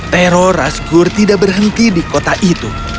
teror raskur tidak berhenti di kota itu